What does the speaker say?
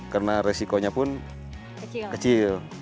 karena resikonya pun kecil